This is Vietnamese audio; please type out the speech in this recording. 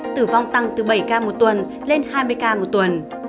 tử vong tăng từ bảy ca một tuần lên hai mươi ca một tuần